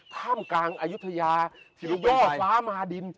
ท่ามกลางอายุทยาย่อฟ้ามาดิน